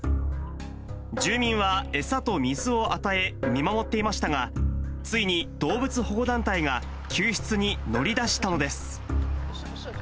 住民は餌と水を与え、見守っていましたが、ついに動物保護団体が救出に乗り出したのです。